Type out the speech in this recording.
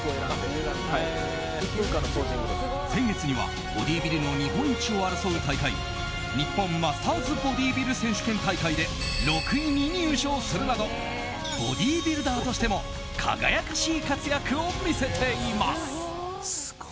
先月にはボディービルの日本一を争う大会日本マスターズボディービル選手権大会で６位に入賞するなどボディービルダーとしても輝かしい活躍を見せています。